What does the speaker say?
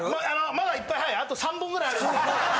まだいっぱいはいあと３本ぐらいあるんで。